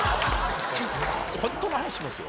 本当の話しますよ。